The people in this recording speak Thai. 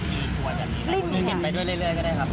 ดิกดท่วายังแบนดูแลเลยก็ได้ครับ